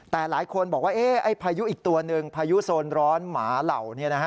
แต่หลายคนบอกว่าพายุอีกตัวหนึ่งพายุโซนร้อนหมาเหล่า